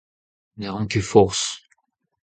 Ne ran ket forzh.